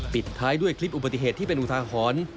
ปิดท้ายด้วยคลิปอุบัติเหตุที่เป็นอุทาหรณ์